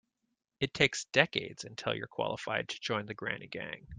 It takes decades until you're qualified to join the granny gang.